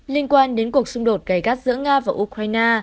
liên quan đến cuộc xung đột gây gắt giữa nga và ukraine